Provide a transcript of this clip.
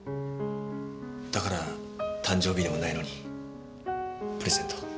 だから誕生日でもないのにプレゼントを。